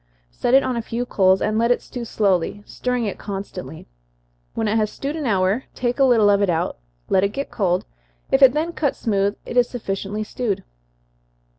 Set it on a few coals, and let it stew slowly, stirring it constantly. When it has stewed an hour, take a little of it out, let it get cold if it then cuts smooth, it is sufficiently stewed.